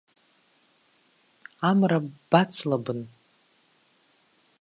Амра бацлабын.